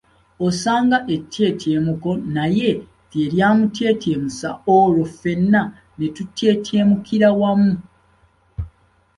Osanga ettyeetyemuko naye lye lyamutyetyemusa olwo ffena ne tutyetyemukira wamu.